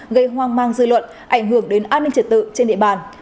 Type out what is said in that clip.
gây hoang mang dư luận ảnh hưởng đến an ninh trật tự trên địa bàn